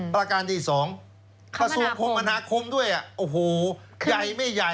ประหลักการที่สองคมนาคมด้วยอ่ะโอ้โหใหญ่ไม่ใหญ่